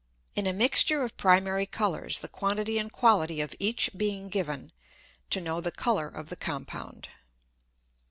_In a mixture of Primary Colours, the Quantity and Quality of each being given, to know the Colour of the Compound.